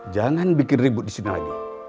jangan bikin ribut disini lagi